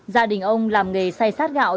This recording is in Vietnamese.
gia đình ông làm nghề say sát gạo